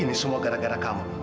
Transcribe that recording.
ini semua gara gara kamu